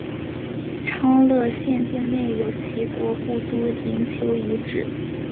昌乐县境内有齐国故都营丘遗址。